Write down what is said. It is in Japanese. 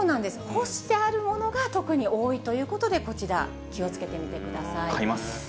干してあるものが特に多いということで、こちら、気をつけてみて買います。